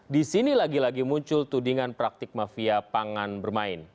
di sini lagi lagi muncul tudingan praktik mafia pangan bermain